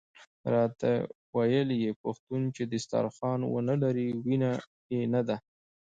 راته ویل یې پښتون چې دسترخوان ونه لري وینه یې نده.